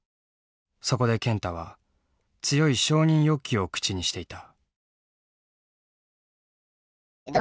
そこで健太は強い承認欲求を口にしていた。